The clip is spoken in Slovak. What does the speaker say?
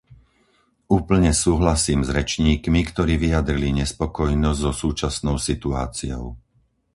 Úplne súhlasím s rečníkmi, ktorí vyjadrili nespokojnosť so súčasnou situáciou.